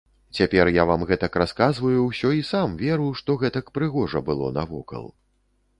Цяпер я вам гэтак расказваю ўсё і сам веру, што гэтак прыгожа было навокал.